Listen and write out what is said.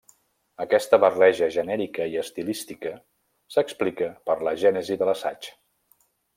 Aquesta barreja genèrica i estilística s'explica per la gènesi de l'assaig.